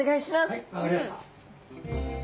はい分かりました。